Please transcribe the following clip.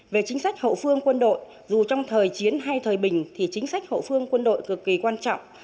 về chính sách hậu phương quân đội dù trong thời chiến hay thời bình thì chính sách hậu phương quân đội cực kỳ quan trọng